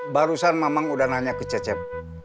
barusan mamang udah nanya ke cecep